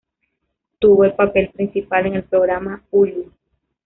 Tuvo el papel principal en el programa Hulu'